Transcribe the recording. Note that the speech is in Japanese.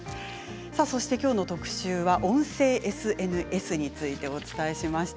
そして、きょうの特集は音声ＳＮＳについてお伝えしました。